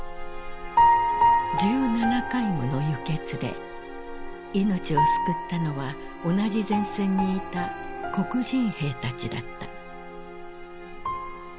１７回もの輸血で命を救ったのは同じ前線にいた黒人兵たちだった。